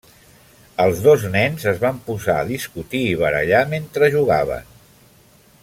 Els dos nens es van posar a discutir i barallar mentre jugaven.